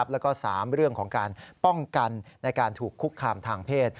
แล้วก็๓เรื่องของการป้องกันในการถูกคุกคามทางเพศ